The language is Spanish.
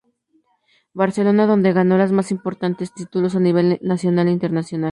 Barcelona, donde ganó los más importantes títulos a nivel nacional e internacional.